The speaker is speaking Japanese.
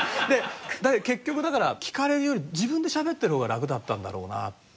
結局だから聞かれるより自分で喋ってる方が楽だったんだろうなっていう。